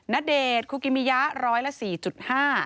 ณเดชน์คุกิมิยะร้อยละ๔๕